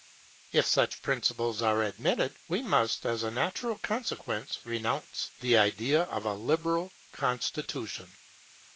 If such principles are admitted, we must, as a natural consequence, renounce the idea of a liberal constitution.